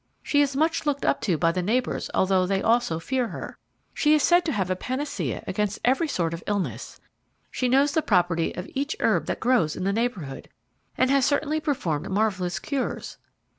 She is much looked up to by the neighbours although they also fear her. She is said to have a panacea against every sort of illness: she knows the property of each herb that grows in the neighbourhood, and has certainly performed marvellous cures."